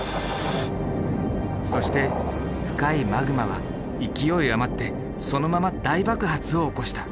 そして深いマグマは勢い余ってそのまま大爆発を起こした。